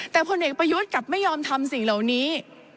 แต่พลเอกประยุทธ์กลับไม่ยอมทำสิ่งเหล่านี้